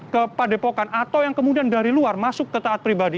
ke padepokan atau yang kemudian dari luar masuk ke taat pribadi